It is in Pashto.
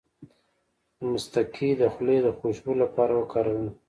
د مصطکي د خولې د خوشبو لپاره وکاروئ